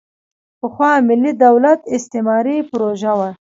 پخوا ملي دولت استعماري پروژه وه.